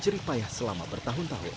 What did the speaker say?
jerih payah selama bertahun tahun